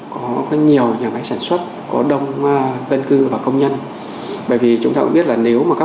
có nhiều nhà máy sản xuất có đông dân cư và công nhân bởi vì chúng ta cũng biết là nếu mà các